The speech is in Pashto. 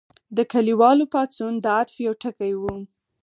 د کلیوالو پاڅون د عطف یو ټکی و.